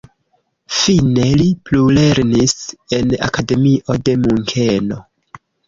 Fine li plulernis en akademio de Munkeno.